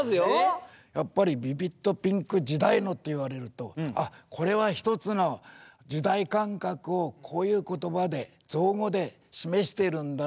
やっぱり「ビビッドピンク時代の」と言われるとあっこれは一つの時代感覚をこういう言葉で造語で示してるんだなというふうに思いました。